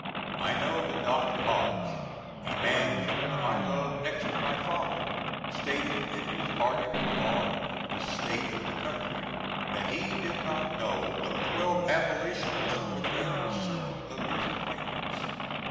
I know that Dr. Hodge a man whom I love next to my Father stated, in his article on "the state of the Country," that he did not know of 12 abolitionists "within the circle of his acquaintance."